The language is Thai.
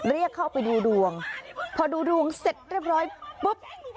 เรียกเข้าไปดูดวงพอดูดวงเสร็จเรียบร้อยปุ๊บ